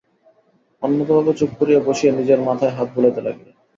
অন্নদাবাবু চুপ করিয়া বসিয়া নিজের মাথায় হাত বুলাইতে লাগিলেন।